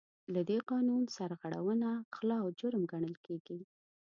له دې قانون سرغړونه غلا او جرم ګڼل کیږي.